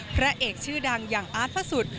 พระเอกชื่อดังอย่างอาร์ตพระสุทธิ์